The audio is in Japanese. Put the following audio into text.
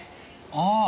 ああ！